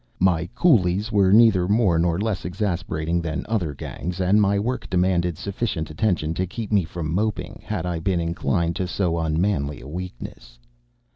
My coolies were neither more nor less exasperating than other gangs, and my work demanded sufficient attention to keep me from moping, had I been inclined to so unmanly a weakness.